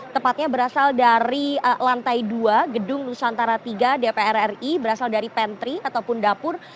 tepatnya berasal dari lantai dua gedung nusantara tiga dpr ri berasal dari pentri ataupun dapur